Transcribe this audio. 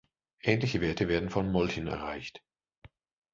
Ähnliche Werte werden von Molchen erreicht.